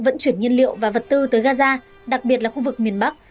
vận chuyển nhiên liệu và vật tư tới gaza đặc biệt là khu vực miền bắc